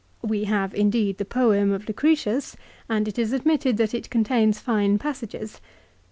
We have, indeed, the poem of Lucretius, and it is admitted that it contains fine passages.